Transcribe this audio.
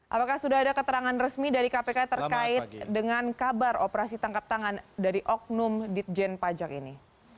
apakah sudah ada keterangan resmi dari kpk terkait dengan kabar operasi tangkap tangan dari oknum ditjen pajak ini